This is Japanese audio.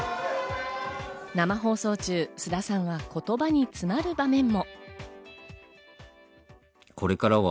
生放送中、菅田さんは言葉に詰まる場面も。